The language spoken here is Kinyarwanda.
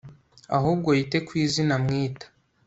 ahubwo yite ku izina mwita